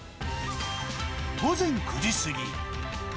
午前９時過ぎ。